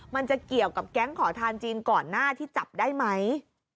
มันจะเกี่ยวกับแก๊งขอทานจีนก่อนหน้าที่จับได้ไหม